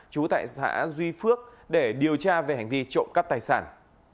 chú tại thị xã duy phước để điều tra về hành vi trộm cắp tài sản